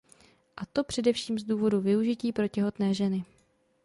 A to především z důvodu využití pro těhotné ženy.